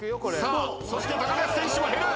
そして高梨選手も減る！